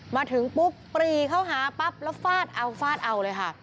มาถึงปุ๊บปรีเข้าหาปั๊บแล้วฟาดเอาฟาดเอาเลยค่ะ